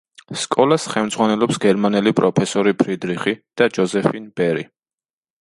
სკოლას ხელმძღვანელობს გერმანელი პროფესორი ფრიდრიხი და ჯოზეფინ ბერი.